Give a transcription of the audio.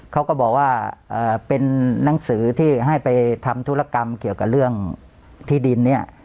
เขาก็บอกว่าเป็นหนังสือที่ให้ไปทำธุรกรรมเกี่ยวกับเรื่องที่ดินเนี่ย